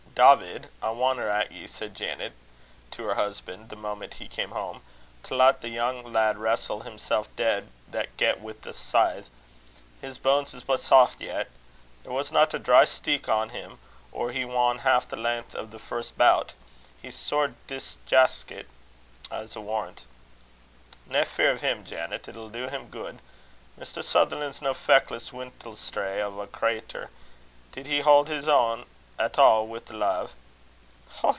"Dawvid, I wonner at ye," said Janet to her husband, the moment he came home, "to lat the young lad warstle himsel' deid that get wi' a scythe. His banes is but saft yet, There wasna a dry steek on him or he wan half the lenth o' the first bout. He's sair disjaskit, I'se warran'." "Nae fear o' him, Janet; it'll do him guid. Mr. Sutherland's no feckless winlestrae o' a creater. Did he haud his ain at a' wi' the lave?"